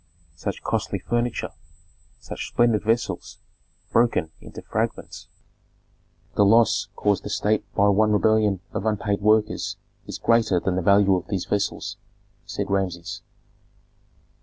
Such costly furniture, such splendid vessels, broken into fragments!" "The loss caused the state by one rebellion of unpaid laborers is greater than the value of these vessels," said Rameses.